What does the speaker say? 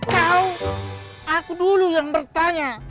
kau aku dulu yang bertanya